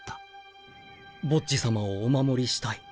ボッジ様をお守りしたい